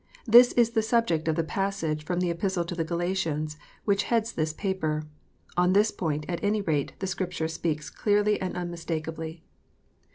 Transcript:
This is the subject of the passage from the Epistle to the Galatians, which heads this paper. On this point, at any rate, the Scripture speaks clearly and unmistakably. 363 364 KNOTS UNTIED.